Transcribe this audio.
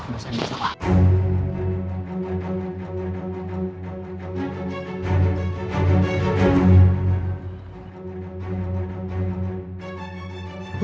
masa ini salah